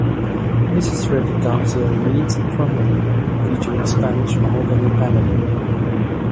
This is where the Council meets formally, featuring Spanish mahogany panelling.